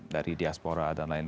dari diaspora dan lain lain